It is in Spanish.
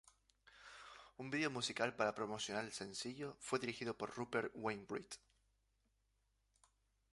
Un video musical para promocionar el sencillo fue dirigido por Rupert Wainwright.